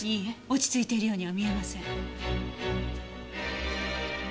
落ち着いているようには見えません。